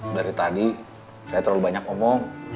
dari tadi saya terlalu banyak omong